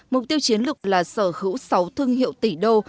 mục tiêu chiến lược là sở hữu sáu thương hiệu tỷ đô